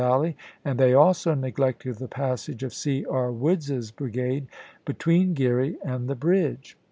Valley, aiid they also neglected the passage of C. E. Woods's brigade between Geary and the bridge. Nov.